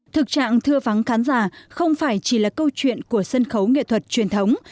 thực trạng thưa vắng khán giả không phải chỉ là câu chuyện của sân khấu nghệ thuật truyền thống